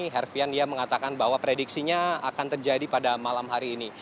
herfian dia mengatakan bahwa prediksinya akan terjadi pada malam hari ini